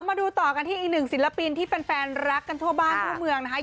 มาดูต่อกันที่อีกหนึ่งศิลปินที่แฟนรักกันทั่วบ้านทั่วเมืองนะคะ